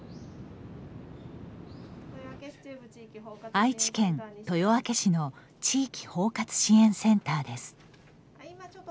愛知県豊明市の地域包括支援センターです。